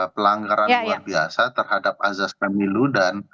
pelanggaran luar biasa terhadap azas pemilu dan